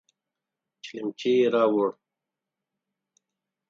چلمچي يې راووړ.